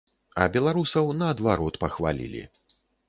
А беларусаў, наадварот, пахвалілі.